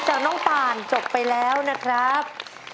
จากน้องป่านจบไปแล้วนะครับ